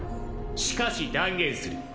しかし断言する。